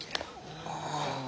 ああ。